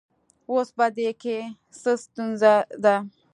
اوس په دې کې څه ستونزه ده